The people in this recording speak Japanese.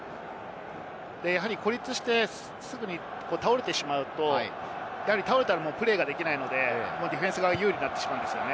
孤立してすぐに倒れてしまうと、倒れたらプレーができないので、ディフェンスが有利になってしまうんです。